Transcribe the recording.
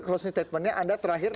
closing statementnya anda terakhir